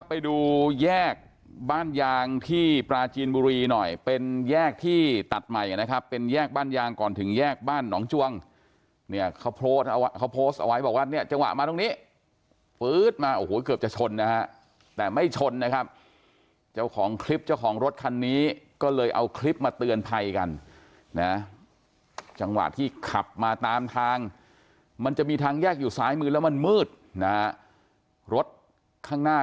ไปดูแยกบ้านยางที่ปราจีนบุรีหน่อยเป็นแยกที่ตัดใหม่นะครับเป็นแยกบ้านยางก่อนถึงแยกบ้านหนองจวงเนี่ยเขาโพสต์เอาเขาโพสต์เอาไว้บอกว่าเนี่ยจังหวะมาตรงนี้ปื๊ดมาโอ้โหเกือบจะชนนะฮะแต่ไม่ชนนะครับเจ้าของคลิปเจ้าของรถคันนี้ก็เลยเอาคลิปมาเตือนภัยกันนะจังหวะที่ขับมาตามทางมันจะมีทางแยกอยู่ซ้ายมือแล้วมันมืดนะฮะรถข้างหน้า